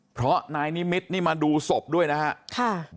เพราะนายนิมิตรนี่มาดูศพด้วยนะครับ